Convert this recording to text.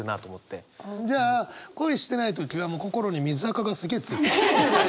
じゃあ恋してない時は心に水あかがすげえ付いてんだ。